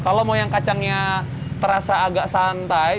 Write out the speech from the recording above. kalau mau yang kacangnya terasa agak santai